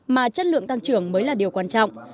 mà chất lượng tăng trưởng mới là điều quan trọng